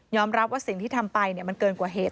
รับว่าสิ่งที่ทำไปมันเกินกว่าเหตุ